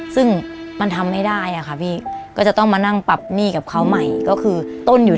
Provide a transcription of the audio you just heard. ซึ่งมันทำไม่ได้อะค่ะพี่ก็จะต้องมานั่งปรับหนี้กับเขาใหม่ก็คือต้นอยู่